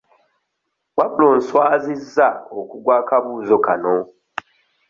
Wabula onswazizza okugwa akabuuzo kano.